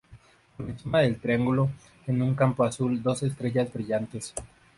Por encima del triángulo en un campo azul dos estrellas brillantes.